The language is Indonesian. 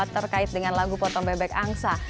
terkait dengan lagu potong bebek angsa